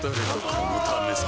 このためさ